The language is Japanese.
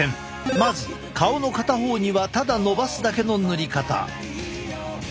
まず顔の片方にはただのばすだけの塗り方。